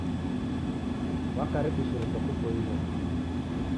Wakaribishiro kwa kuboilwa.